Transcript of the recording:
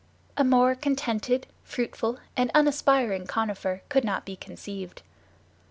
A more contented, fruitful and unaspiring conifer could not be conceived.